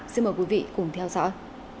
xin mời quý vị cùng theo dõi